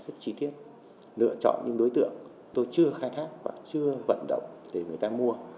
rất chi tiết lựa chọn những đối tượng tôi chưa khai thác và chưa vận động để người ta mua